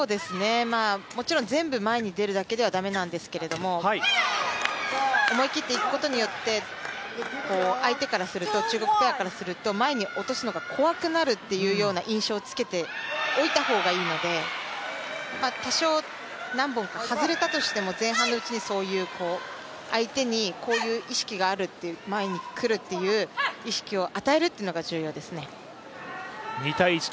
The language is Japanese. もちろん全部前に出るだけでは駄目なんですけど思い切って行くことによって相手からすると中国ペアからすると前に落とすのが怖くなる印象をつけておいた方がいいので、多少、何本か外れたとしても、前半のうちに相手にこういう意識があるという、前に来るという意識を与えるっていうのが重要ですね。